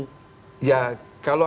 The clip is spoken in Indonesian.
ya kalau tidak ada kerusuhan